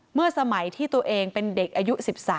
เมื่อสมัยที่ตัวเองเป็นเด็กอายุ๑๓